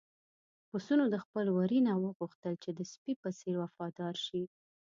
پسونو د خپل وري نه وغوښتل چې د سپي په څېر وفادار شي.